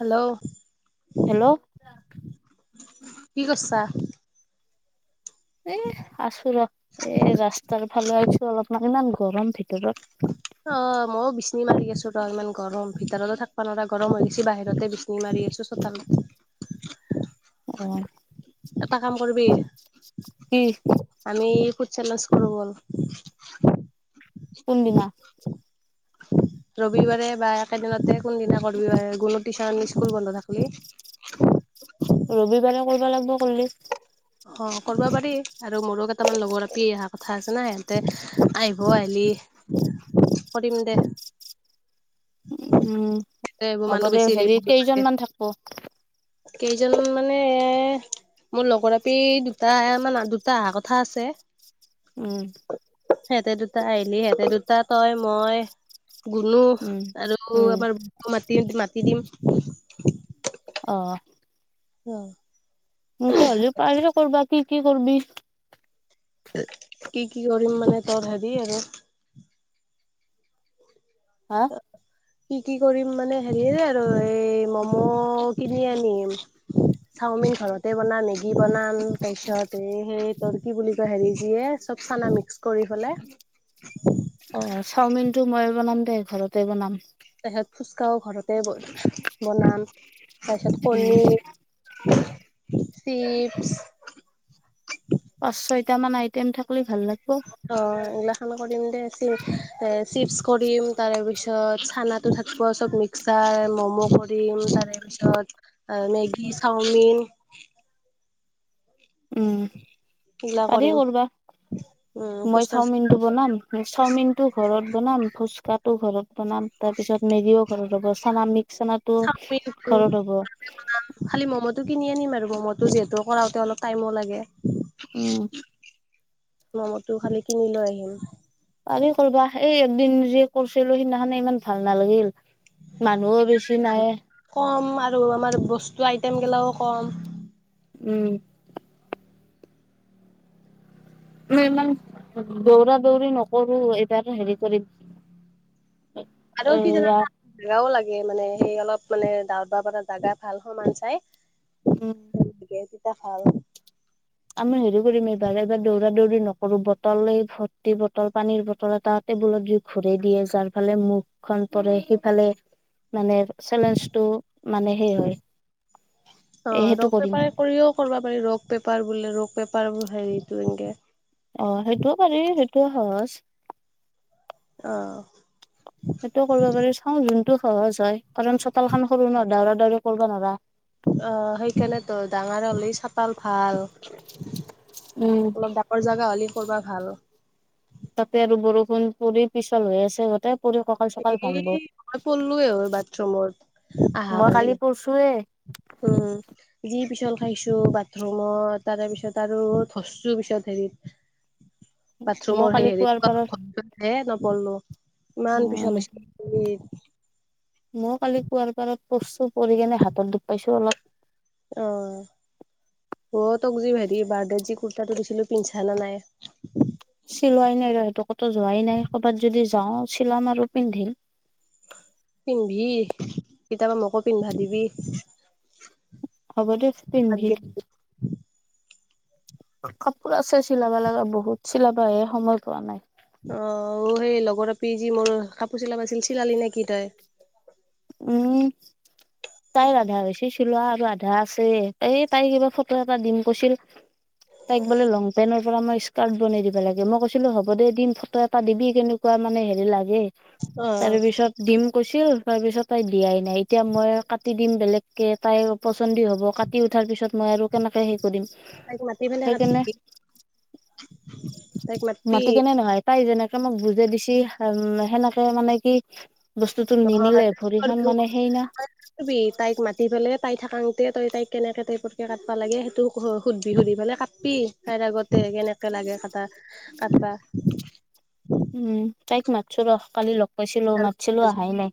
Hello hello কি কৰছা? এ আছো ৰ, এ ৰাস্তাৰ ফালে আহিছো অলপমান ইমান গৰম ভি অ মই বিচনি মাৰি আছো ৰ ইমান গৰম ভিতৰতো থাকব নোৱাৰা গৰম হৈ গৈছি বাহিৰতে বিচনি মাৰি আছো চোতাল অ। এটা কাম কৰিবি? কি? আমি ফুড চেলেঞ্জ কৰোঁ বল। কোনদিনা? ৰবিবাৰে বা একেদিনতে কোনদিনা কৰিব গুনু টিউচন, স্কুল বন্ধ থাকে। ৰবিবাৰে কৰিব লাগিব কৰিলে। অ'! কৰিব পাৰি আৰু মোৰো কেইটামান লগৰ আপি অহা কথা আছে না। সিহঁতে আহিব আহিলি কৰিম দে। উম, এ এইবোৰ মানুহ হ'ব দে। বেছি হলি হেৰি ভাল নালাগে। কেইজনমান থাকোঁ। কেইজন মানে, মোৰ লগৰ আপি দুটামান, দুটা অহা কথা আছে। উম! সিহঁতে দুটা আহিলি সিহঁতে দুটা তই, মই গুনু উম আৰু উম আমাৰ বকু মা মাতি দিম। অ'! অ'! এনকে হ'লেও পাৰিলোঁ কৰবাত। কি কি কৰবি? কি কি কৰিম মানে, তোৰ হেৰি আৰু হা? কি কি কৰিম মানে, হেৰিৰে আৰু এই ম'ম' কিনি আনিম, চাওমিন ঘৰতে বনাম, মেগি বনাম তাৰপিছত এই সেই তুৰ্কি বুলি কয় হেৰিয়ে চব চানা মিক্স কৰি পিলে অ চাওমিনটো মই বনাম ঘৰতে বনাম। তাৰপিছত ফুচকাও ঘৰতে বনাম। তাৰপিছত উম কণী চিপছ পাঁচ, ছয়টা মান আইটেম থাকিলে অ'! ওলা। [unintelligible] চিপছ কৰিম তাৰে পিছত চানাটো থাকিব, চব মিক্সাৰ, ম'ম' কৰিম। তাৰে পিছত, মেগী, চাওমিন উম এইগিলা পাৰি কৰিম কৰিব। উম মই ফুচকা চাওমিনটো বনাম, চাওমিনটো ঘৰত বনাম ফুচকাতো ঘৰত বনাম, তাৰপিছত মেগীও ঘৰত হ'ব চানামিক চানাটো চাওমিনটো ঘৰত হ'ব। খালি ম'ম'টো কিনি আনিম আৰু। ম'ম'টো যিহেতু কৰাওঁতে অলপ টাইমো লাগে। উম [unintelligible] ম'ম'টো খালি কিনি লৈ আহিম। পাৰি কৰিবা। এই একদিন যে কৰিছিলোঁ সেই দিনাখনে ইমান ভাল নালাগিল। মানুহো বেছি নাই। কম আৰু আমাৰ বস্তু আইটেম গিলাও কম। উম! মই ইমান দৌৰা, দৌৰি নকৰোঁ। এটা, এটা হেৰি কৰি। আৰু কি জানা এয়া না মিলাব লাগ- হে মানে সেই অলপ মানে দাউতটা যাতে জাগা ভাল সমান চাই। উম। কেইজোপা খাল। আমি হেৰি কৰিম এইবাৰ এবাৰ দৌৰা দৌৰি নকৰো বটল এই ভৰ্তি বটল পানীৰ বটল এটা টেবুলত ঘূৰি দিয়ে যাৰ ফালে মুখখন পৰে সিফালে মানে চেলেঞ্জটো। মানে সেই হয় অ এ সেইটো ৰস কৰিম পেপাৰ কৰিও কৰিবা পাৰি ৰক পেপাৰ বোলে ৰ- পেপাৰবোৰ হেৰিটো এংকে। তো সহচ। অহ। সেইটো কৰিব পাৰি চাওঁ যোন। টো সহজ হয়। কাৰণ চোতালখন সৰু ন ডাওৰা। দৌৰা কৰবা নোৰা। হাতপাল। ভাল উম অলপ ডাঙৰ জোগা হ'লে কৰবা ভাল। তাতে আৰু বৰষুণ পৰি পিছল হৈ আছে গতে। এ মই পলো বাথৰুমত আহা মই পালি কালি পৰছোৱে উম যি পিছল। খাইছো বাথৰুমত তাৰ পিছত আৰু ধচছো পিছত হেৰিত। মই বাথৰুমৰ কালি কুৱাৰ পাৰত হেৰিে নপঢলো ইমান। পিছাল হৈছে যি মইও কালি কুৱাৰ পাৰত। পৰচু পৰি কিনে হাতত দুব পাইছো অলপ। অ ম তোক যি ভাইট বাৰ্থডত যি কুুৰ্তাটো দিছিলো পিন্ছা না নাই। চিলোৱাই নাই ৰ সেইটো ক'তো যোৱাই নাই ক'বাত যদি যাওঁ ছিলাম আৰু পিন্ধিম। পিন্ধি কেতিয়াবা মকো পিন্ধা দিবি। হ'ব দিয়ক পিন্ধিবি। কাপোৰ আছে চিলাবা লগা বহুত চিলাবা হে সময় পোৱা নাই। অ সেই লগৰপি যি মোৰ কাপোৰ চিলাব আছিল চিলালি নে কি তই? উম তাইৰ আধা হৈছে চিলোৱা আৰু আধা আছে এই তাইক এইিবাৰ ফটো এটা দিম কৈছিল তাইক বোলে লং পেণ্টৰ পৰা মই স্কাৰ্ট বনাই দিবা লাগে মই কৈছিলো হ'ব দে দিম ফটো এটা দিবি কেনেকুৱা মানে হেৰি লাগে। অ', তাৰ পিছত দিম। কৈছিল তাৰপিছত তাই দিয়াই নাই এতিয়া মই কাটি দিম বেলেগকৈ তাই পচন্দই হ'ব কাটি উঠাৰ পিছত মই আৰু কেনেকৈ হেৰি কৰিম। তাইক মাতি বিনে সেইকাৰণে কাটবি তাইক মাতি। কে মোক বুজে দিছি হ সেনেকে মানে কি? বস্তুতো নিমিলে। নহয় ভৰিখন মানে সেই না তাইক মাতি পেলাই তাই থাকংতে তই তাইক কেনেকে টাইপৰকে কাটিবা লাগে সেইটো সুধবি সুধি পেলাই কাটি তাইৰ আগতে কেনেকে লাগে কটা কাটবা উম তাইক মাছ ৰ কালি লগ পাইছিলো মাতছিলো আহাই নাই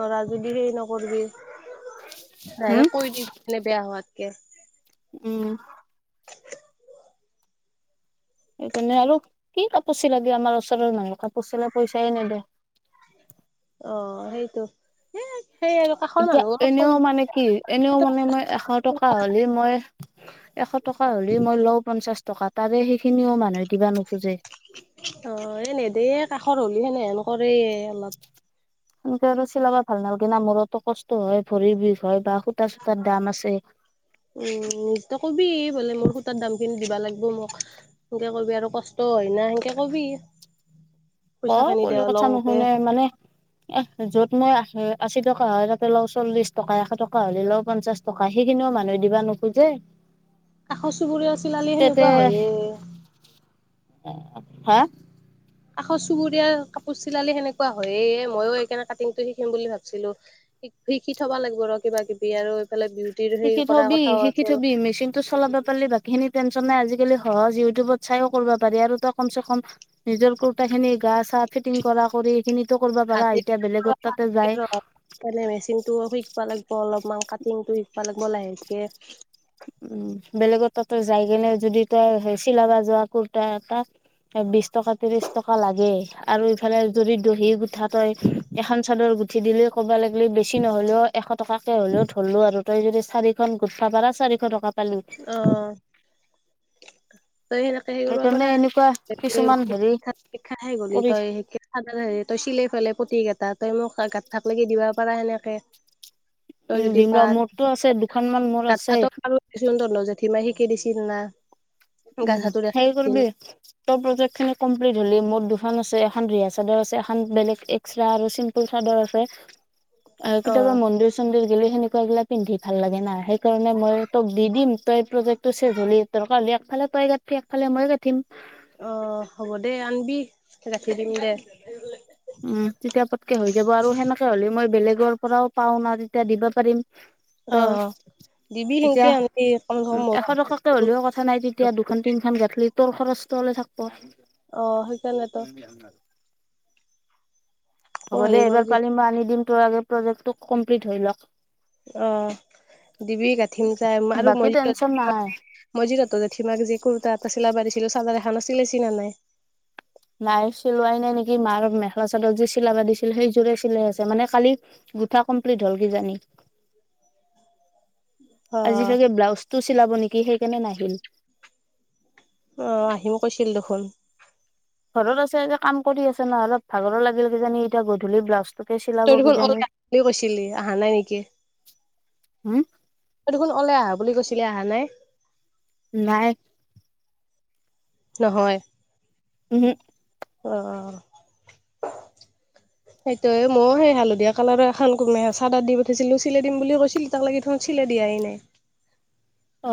নোৱাৰা যদি সেই নকৰিবি হম দাইক কৈ দিলে বেয়া হোৱাত য়েছ উম সেইকাৰণে আৰু কি কাপোৰ চিলা দিয়ে আমাৰ ওচৰৰ মানুহ কাপোৰ চিলাই পইচাই নিদে অঁ সেইটো সেই আৰু কাষৰ এতিয়া মানুহ অলপ কম এনেও মানে কি এনেও মানে মই এশ টকা হ'লে মই এশত টকা হ'লে মই লওঁ পঞ্চাশ টকা তাৰে সেইখিনিও মানুহে দিবা নোখোজে অঁ এনে দে কাষৰ হলি সেনে হেন কৰে অলপ সেনেকে আৰু চিলাব ভাল নালাগে না মূৰতো কষ্ট হয় ভৰি বিষ হয় বা সূতা চূতাৰ দাম আছে উম ত কবি বোলে মোৰ সুধ তাত দামখিনি দিবা লাগিব মোক সেনকে কবি আৰু কষ্ট হয় না সেনেকে কবি পইচা অঁ খিনি দে কলো কথা লওঁতে নুশুনে মানে এ যত মই আহ আশী টকা হয় তাতে ল চল্লিশ টকা এশ টকা হ'লে লও পঞ্চাশ টকা সেইখিনিও মানুহে দিবা নোখোজে কাষৰ চুবুৰীয়া ছোৱালীৰ সেনেকুৱা হয়য়ে হাঁ আকৌ চুবুৰীয়া কাপোৰ চিলালি সেনেকুৱা হয় ময়ো সেইকাৰণে কাটিংটো শিকিম বুলি ভাবছিলো শিকি থবা লাগিব ৰ কিবা কিবি আৰু এইফালে বিউটিৰ সেই শিকি কৰা থবি কথাও শিকি আছিল থবি মেচিন টো চলাবা পালি বাকী খিনি টেনচনাই আজিকালি সহজ ইউটিউবত চাইও কৰিব পাৰি আৰু ত কম চে কম নিজৰ খিনি গা চা ফিটিং কৰা কৰি এই খিনি কৰিবা পাৰা হাতে এতিয়া বেলেগত তাতে যায়। মেচিনটো শিকবা লাগিব অলপমান কাটিংটো সফালিব লাহেকে উম বেলেগ ত তই যাই কেনে যদি তই চিলাবা যোৱা কুুৰ্তা এ তটা বিশ টকা ত্ৰিশ টকা লাগে আৰু ইফালে যদি দহি পিঠা তই এখন চাদৰ গুঠি দিলে ক'বা লাগিলে বেছি নহলেও এশ টকাকে হ'লেও ধলো আৰু তই যদি চাৰিখন গুঠা পাৰা চাৰিখন টকা। আহ তই সেনেকে সেই কৰিব সেইকাৰণে পৰা এনেকুৱা কিছুমান হেৰি শাে গলি কৰি তই তই চিলাই ফলে প্ৰতিক কেইটাত। তই মোক গাত থাক লকি দিবা পাৰা সেনেকে। তই উম যদি দিম পা ৰ মোৰটো আছে দুখন মান মোৰ আছে। চোন ধৰণ জেঠি মাহ শিকে দিছিল না উম গাঁতফাটো দেখাই হেৰি দিছিল কৰিবি তোৰ প্ৰজেক্ট খিনি কমপ্লিট হলি মোৰ দুখ খন আছে এখন ৰিহা চাদৰ আছে এখন বেলেগ এক্সট্ৰা আৰু চিম্পুল চাদৰ আছে। আৰু অ কেতিয়াবা মন্দিৰ-চন্দিৰ গেলে সেনেকুৱা বিলাক পিন্ধি ভাল লাগে না সেইকাৰণে মই তোক দি দিম। তই প্ৰজেক্টটো চেচ হ'ল দৰকাৰ হলে ত এফালে তই গঠিবি, একফালে মই গাঠিম। অ হ'ব দে। আনবি গাঁঠি দিম দে। উম, তেতিয়া ৰ পৰাও পাও না তেতিয়া দিব পাৰিম। অ ত দিবি এতিয়া সেনকে আনবি কম চে কম উ মোৰো এশ হাতত টকাকে হ'লেও কথা নাই। তেতিয়া দুখন তিনখন গাঠলি তৰ খৰচটো অলে থাকব'। অ সেই কাৰণে ত। হ'ব দে। এইবাৰ কৰিবি পালে মই আনি দিম। তোৰ আৰু প্ৰজেক্টো কমপ্লিট হৈ লওক। অ দিবি গাঁঠিম যাই আৰু বাকী মই যি টেনচন গাথিম [unintelligible] নাই গাঠিম আৰু মই যে তহঁতৰ জেঠিমাক যে কুৰ্তা এটা চিলাবা দিছিলো চাদৰ এখন আছিল চিলে ছি নে নাই? নাই চিলোৱাই নাই নেকি। মাৰ মেখেলা চাদৰ যে চিলাবা দিছিল সেইযোৰে চিলাই আছে। মানে কালি গোঠা কমপ্লিট হল কিজানি। অ আজি চাগে ব্লাউজ টো চিলাব নেকি সেইকাৰণে নাহিল। অ আহিম কৈছিল দেখোন। ঘৰত আছে এ যে কাম কৰি আছে নহলি, অলপ ভাগৰ লাগিল কিজানি এতিয়া গধূলি ব্লাউজ [unintelligible] অল বুলি কৈছিলি আহা নাই নেকি? হুম? ওলাই আহা বুলি কৈছিলি? আহা নাই? নাই। নহয়। উম। অ সেইটোয়ে। ময়ো সেই হালধীয়া কালাৰৰ এখন চাদাৰ দি পঠাইছিলো। চিলাই দিম বুলি কৈছিল। এতিয়া লৈকে দেখোন চিলাই দিয়াই নাই। অ।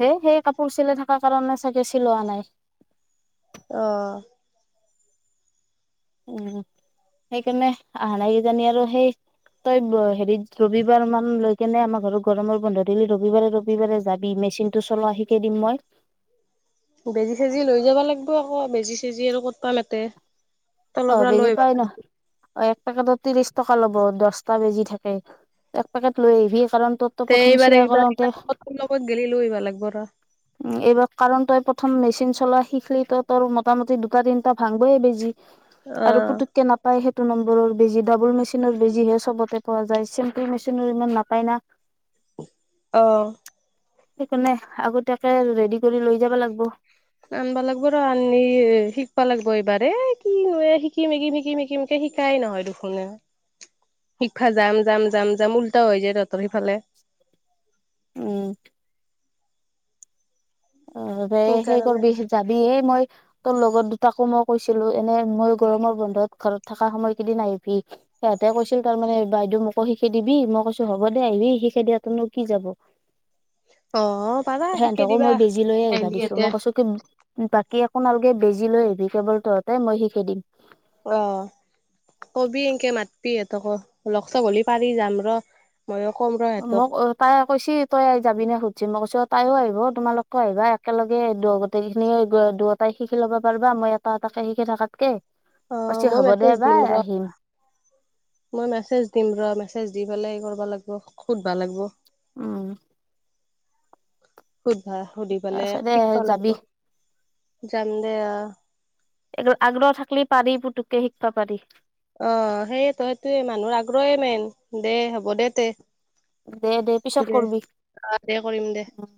হে সেই কাপোৰ চিলাই থাকা কাৰণে চাগে চিলোৱা হোৱা নাই। আহ উম, সেইকাৰণে আহা নাই কিজানি আৰু সেই তই হেৰিত ৰবিবাৰ মান লৈ এনে আমাৰ ঘৰত গৰমৰ বন্ধ দিলি ৰবিবাৰে ৰবিবাৰে যাবি। মেচিন টো চলোৱা শিকেই দিম মই। বেজি-চেজি লৈ যাব লাগিব। আকৌ বেজি-চেজি আৰু কত পাম এতে? অ বেজি পায় নহয়? অ এক পেকেটত ত্ৰিশ টকা ল'ব। দছটা বেজি থাকে। এক পেকেট লৈ আহিবি কাৰণ তোৰতো তে প্ৰথম এইবাৰ চিলাই কৰাওঁতে একবাৰত লগত গেলি লৈ আইব লাগব ৰ। উম এইবাৰ কাৰণ তই প্ৰথম মেচিন চলোৱা শিকিলি তই তোৰ মোটামুটি দুটা তিনটা ভাংবয়ে বেজি। আৰু অ', পুতুককে নাপায় সেই নম্বৰ। বেজি ডাবল মেচিনত বেজি হে চবতে। পোৱা যায় চেম্পুল মেচিনো ইমান নাপায় না। অহ সেইকাৰণে আগ তাকে ৰেডি কৰি লৈ যাব লাগিব। আনবা লাগিব ৰ আননি শিকবা লাগিব এইবাৰ কিন শিকিম শিকিম শিকিম শিকিম শিকাই নহয় দেখুনে শিকবা যাম যাম যাম যাম উল্টা হৈ যায় ৰ। উম। অ সেই সেইকাৰণে কৰিবি যাবি এই মই তোৰ লগত দুটাকো মোক। কৈছিলো এনে মই গৰমৰ বন্ধত ঘৰত থকা সময় কেইদিন আহিবি সিহঁতে কৈছিল তাৰমানে বাইদেউ মোকো শিকি দিবি মই কৈছো হ'ব দে আহিবি শিকাই দিয়াতনো কি যাব। অ পাবা শিকাই দিবা। আ লৈয়ে আহিবা দিছো দে মই কৈছো কি বা। কি একোনালগে বেজী লৈআহিবি কেৱল তহঁতে মই শিকি দিম। অ সি সহঁতক লক চক হলি পাৰি যাম ৰ। ময়ো ক'ম ৰ সিহঁতক মোক তাই কৈছি তই যাবি নে সুধি। য মই কৈছো তাইও আহিব তোমালোককও আহিবা একেলগে দু গোটেইখিনি দুইটাই শিকি ল'ব পাৰিবা মই এটা এটাকে শিকি থাকাতকে। অ কৈছে মই হ'ব দে মেচেজ বা দিম ৰ আহিম মেচেজ দিম মেচেজ দিম। বলেগ কৰিবা লাগিব সুধবা লাগিব। ওম। সুধবা সুধি পালে তাৰপিছতে শিক ব লাগব যাবি যাম দে পাৰী পুটুকে শিকবা পাৰী। অ সেইয় ত সেইটোয়ে মানুহৰ আগ্ৰহে মেইন দে হ'ব দে তে দে দে পিছত কৰবি অ দে কৰিম দে উ।